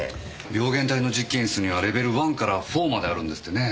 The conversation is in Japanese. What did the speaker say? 病原体の実験室にはレベル１から４まであるんですってね。